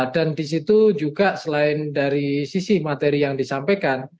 dan di situ juga selain dari sisi materi yang disampaikan